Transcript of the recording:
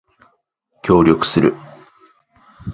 協力する